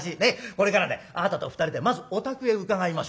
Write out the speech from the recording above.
これからねあなたと２人でまずお宅へ伺いましょう。ね？